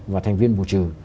và thành viên bùa trừ